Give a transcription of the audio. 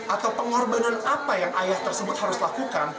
atau pengorbanan apa yang ayah tersebut harus lakukan